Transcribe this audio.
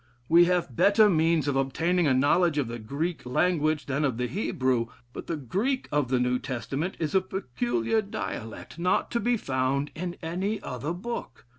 We have better means of obtaining a knowledge of the Greek language than of the Hebrew but the Greek of the New Testament is a peculiar dialect, not to be found in any other book.